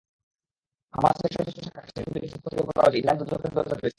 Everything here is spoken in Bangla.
হামাসের সশস্ত্র শাখা কাশেম ব্রিগেডসের পক্ষ থেকে বলা হয়েছে, ইসরায়েল দোজখের দরজা খুলেছে।